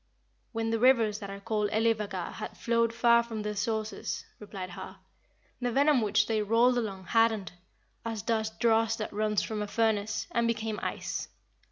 "When the rivers that are called Elivagar had flowed far from their sources," replied Har, "the venom which they rolled along hardened, as does dross that runs from a furnace, and became ice.